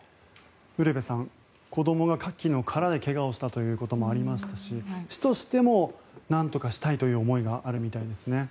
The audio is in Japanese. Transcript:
ウルヴェさん子どもがカキの殻で怪我をしたこともありましたし市としてもなんとかしたい思いがあるようですね。